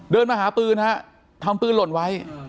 เดินมาหาปืนฮะทำปืนหล่นไว้